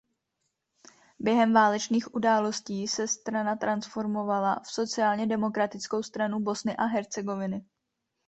Během válečných událostí se strana transformovala v Sociálně demokratickou stranu Bosny a Hercegoviny.